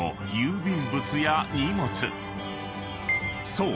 ［そう！